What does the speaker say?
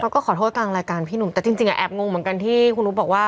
ก็ขอโทษกลางรายการพี่หนุ่มแต่จริงแอบงงเหมือนกันที่คุณอุ๊บบอกว่า